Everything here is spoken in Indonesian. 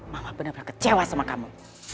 mama benar benar kecewa sama kamu